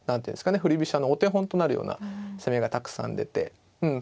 振り飛車のお手本となるような攻めがたくさん出てうん